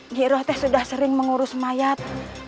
nyi roteh sudah sering mengurus mayat